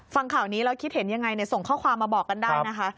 ฟังข่าวนี้แล้วคิดเห็นยังไงส่งข้อความมาบอกกันได้นะคะ